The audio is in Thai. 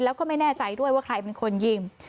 แล้วก็ไม่แน่ใจด้วยว่าใครเป็นคนยิง